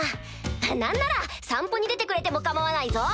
何なら散歩に出てくれても構わないぞ？